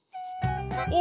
・お！